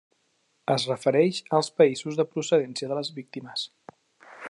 Es refereix als països de procedència de les víctimes.